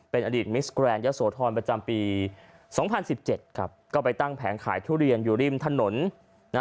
เป็นอดีตมิสแกรนยะโสธรประจำปี๒๐๑๗ก็ไปตั้งแผงขายทุเรียนอยู่ริมถนน